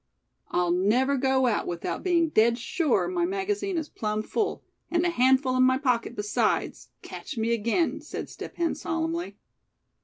"I'll never go out without being dead sure my magazine is plumb full; and a handful in my pocket besides, catch me again," said Step Hen, solemnly.